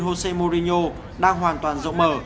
jose mourinho đang hoàn toàn rộng mở